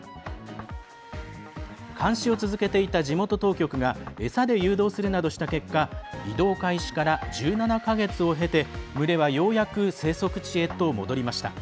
監視を続けていた地元当局が餌で誘導するなどした結果移動開始から１７か月を経て群れは、ようやく生息地へと戻りました。